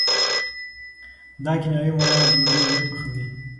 دا کیمیاوي مواد ډوډۍ ژر پخوي.